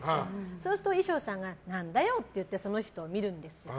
そうすると衣装さんが何だよってその人を見るんですよ。